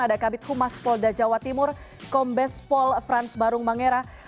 ada kabit humas polda jawa timur kombes pol frans barung mangera